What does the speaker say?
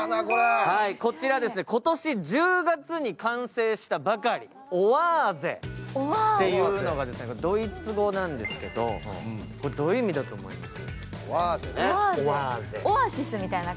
こちら、今年１０月に完成したばかりオアーゼっていうのがドイツ語なんですけどどういう意味だと思います？